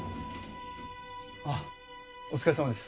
あっお疲れさまです